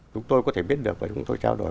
chúng tôi có thể biết được và chúng tôi trao đổi